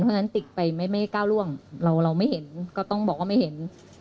เพราะฉะนั้นติกไปไม่ก้าวร่วงเราไม่เห็นก็ต้องบอกว่าไม่เห็น